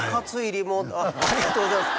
リモートありがとうございます